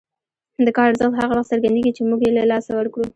د کار ارزښت هغه وخت څرګندېږي چې موږ یې له لاسه ورکړو.